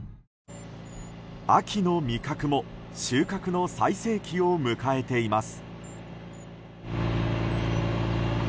秋の味覚も収穫の最盛期を迎えています。